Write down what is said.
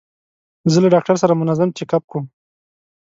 زه له ډاکټر سره منظم چیک اپ کوم.